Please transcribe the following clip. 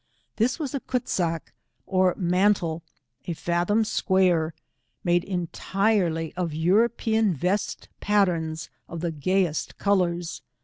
This was a Kootsuk or mantle, ^ fathom square, made entirely of European vest patterns of the gayest colours.